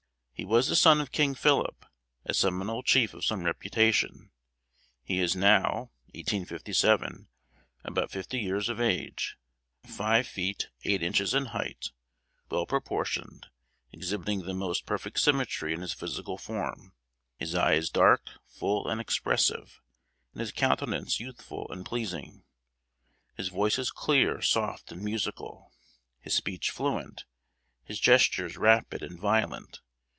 He was the son of King Philip, a Seminole chief of some reputation. He is now (1857) about fifty years of age; five feet eight inches in height; well proportioned; exhibiting the most perfect symmetry in his physical form. His eye is dark, full and expressive; and his countenance youthful and pleasing. His voice is clear, soft and musical; his speech fluent; his gestures rapid and violent.